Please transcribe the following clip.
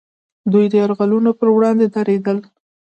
دوی د یرغلګرو پر وړاندې دریدل